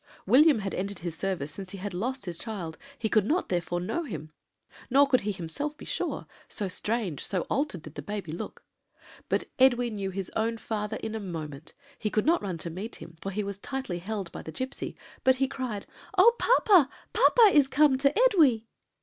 William had entered his service since he had lost his child; he could not therefore know him; nor could he himself be sure so strange, so altered, did the baby look. "But Edwy knew his own father in a moment; he could not run to meet him, for he was tightly held by the gipsy, but he cried: "'Oh, papa! papa is come to Edwy!'